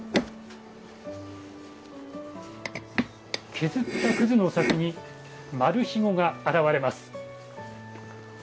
削ったくずの先に丸ひごが現れます。